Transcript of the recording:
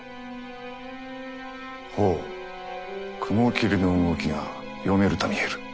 ほお雲霧の動きが読めると見える。